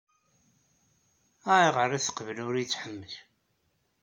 Ayɣer ay teqqel ur iyi-tḥemmec?